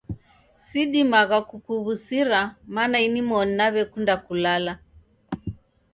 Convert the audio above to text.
Sidimagha kukuw'usira mana inmoni naw'ekunda kulala.